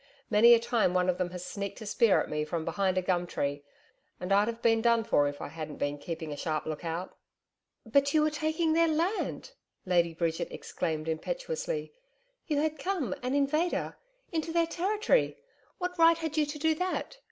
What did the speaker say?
Many a time one of them has sneaked a spear at me from behind a gum tree; and I'd have been done for if I hadn't been keeping a sharp look out.' 'But you were taking their land,' Lady Bridget exclaimed impetuously, 'you had come, an invader, into their territory. What right had you to do that?